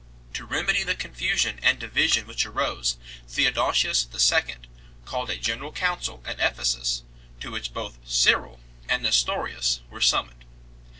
To remedy the confusion and division which arose, Theodosius II. called a general Council at Ephesus, to which both Cyril and Nestorius were summoned.